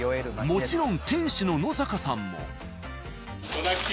もちろん店主の野坂さんも。